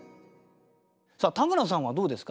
田村さんはどうですか？